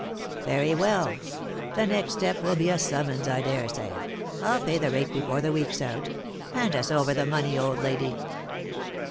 " Very well ; the next step will be a summons, I daresay. I'll pay the rate before the week's out. Hand us over the money, old lady."